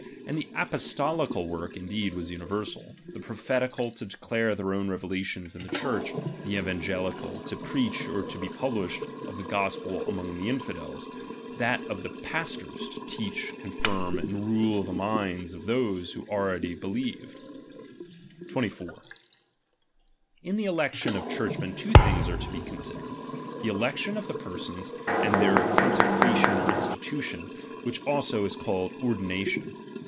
And the apostolical work indeed was universal ; the prophetical, to declare their own revelations in the Cliurch ; the evangelical, to preach or to be publishers of the gospel among the infidels ; that of the pastors, to teach, confirm, and rule the minds of those who already believed. 24. In the election ofchurchmen two things are to l)e considered ; the election of the persons, and their consecration or institution, which also is called ordination.